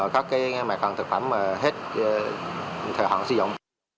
các mặt hàng thực phẩm mà hết thời hạn sử dụng